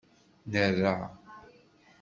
Nerra.